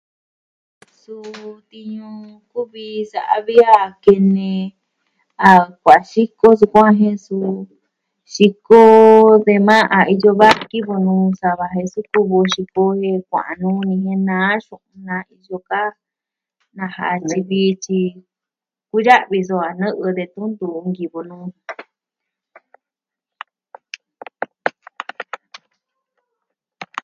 Suu tiñu kuvi sa'a vi a kene, a kua'an xiko sukuan jen suu.. xiko de maa a iyo va, kivɨnuu sa va jen su kuvi o xiko o detun kua'an nuu ni jen naa xu'un na iyo ka, nasa tyi vi tyi kuya'vi so a nɨ'ɨ detun ntu vi, kivɨ nuu.